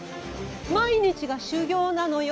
毎日が修行なのよ。